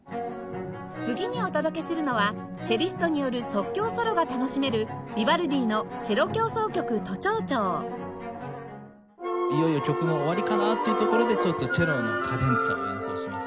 次にお届けするのはチェリストによる即興ソロが楽しめるいよいよ曲の終わりかなっていうところでちょっとチェロのカデンツァを演奏します。